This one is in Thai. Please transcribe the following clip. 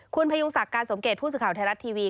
คุณพยุงศักดิ์การสมเกตผู้สื่อข่าวไทยรัฐทีวี